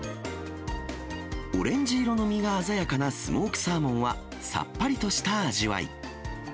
オレンジ色の身が鮮やかなスモークサーモンは、さっぱりとした味わい。